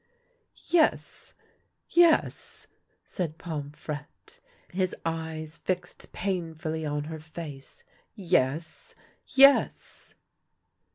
" Yes, yes," said Pomfrette, his eyes fixed painfully on her face ;" yes, yes